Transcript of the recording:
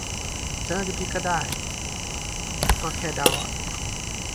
ฉันอาจจะผิดก็ได้ ก็แค่เดาอ่ะ